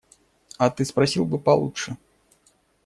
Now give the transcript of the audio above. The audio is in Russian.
А ты спросил бы получше.